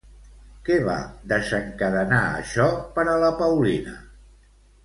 Què va desencadenar això per a la Paulina?